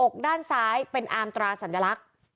อกด้านซ้ายเป็นอามตราสัญลักษณ์